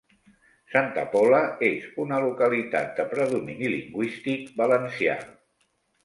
Santa Pola és una localitat de predomini lingüístic valencià.